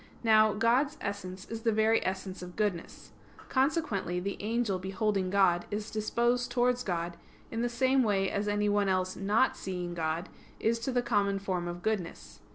Now, God's essence is the very essence of goodness. Consequently the angel beholding God is disposed towards God in the same way as anyone else not seeing God is to the common form of goodness.